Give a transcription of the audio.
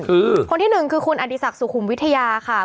คือคนที่หนึ่งคือคุณอดีศักดิ์สุขุมวิทยาค่ะ